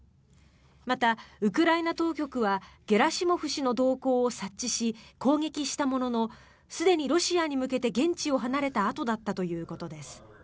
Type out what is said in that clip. また、ウクライナ当局はゲラシモフ氏の動向を察知し攻撃したもののすでにロシアに向けて現地を離れたあとだったということです。